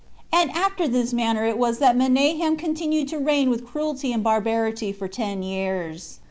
And after this manner it was that this Menahem 22 continued to reign with cruelty and barbarity for ten years.